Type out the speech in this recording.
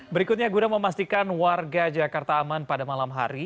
berikutnya guna memastikan warga jakarta aman pada malam hari